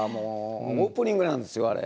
オープニングなんですよ、あれ。